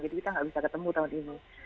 jadi kita gak bisa ketemu tahun ini